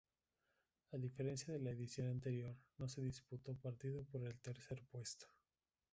A diferencia de la edición anterior, no se disputó partido por el tercer puesto.